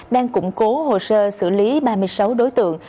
đang củng cố hồ sơ xử lý ba mươi sáu đối tượng